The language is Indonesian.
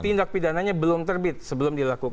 tindak pidananya belum terbit sebelum dilakukan